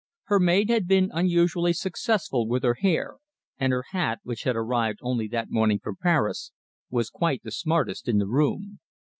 Her maid had been unusually successful with her hair, and her hat, which had arrived only that morning from Paris, was quite the smartest in the room.